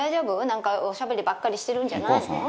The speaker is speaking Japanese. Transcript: なんかおしゃべりばっかりしてるんじゃないの？